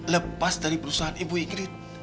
lepas dari perusahaan ibu ikrit